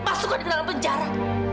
masuklah ke dalam penjara